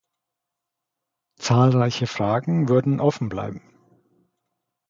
Zahlreiche Fragen würden offenbleiben.